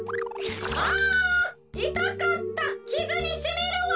「あいたかったきずにしみるわ！」。